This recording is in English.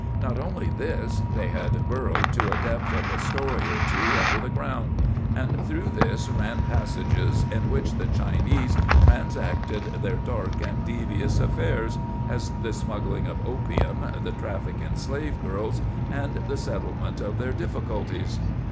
Not only this; they had burrowed to a depth of a story or two under the ground, and through this ran passages in which the Chinese transacted their dark and devious affairs as the smuggling of opium, the traffic in slave girls and the settlement of their difficulties.